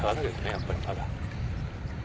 やっぱりまだ。